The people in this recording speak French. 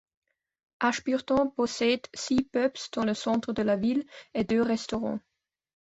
Ashburton possède six pubs dans le centre de la ville, et deux restaurants.